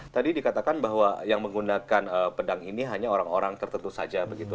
tadi dikatakan bahwa yang menggunakan pedang ini hanya orang orang tertentu saja begitu